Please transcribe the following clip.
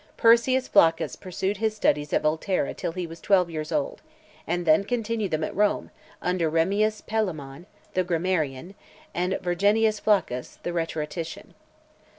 Persius Flaccus pursued his studies at Volterra till he was twelve years old, and then continued them at Rome, under Remmius Palaemon, the grammarian, and Verginius Flaccus, the rhetorician.